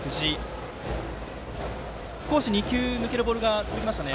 少し２球抜けるボールが続きましたね。